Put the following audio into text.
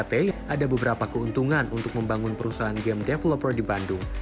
ada beberapa keuntungan untuk membangun perusahaan game developer di bandung